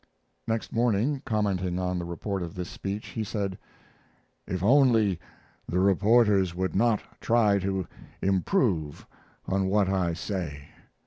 Next morning, commenting on the report of this speech, he said: "If only the reporters would not try to improve on what I say.